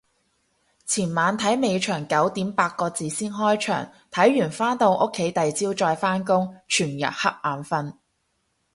前晚睇尾場九點八個字先開場，睇完返到屋企第朝再返工，全日恰眼瞓